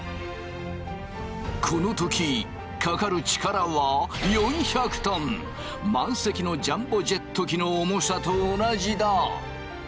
この時かかる力は満席のジャンボジェット機の重さと同じだ。